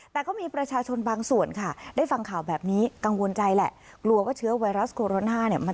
แต่ก็มีประชาชนบางส่วนค่ะได้ฟังข่าวแบบนี้กังวลใจแหละกลัวว่าเชื้อไวรัสโคโรนาเนี่ย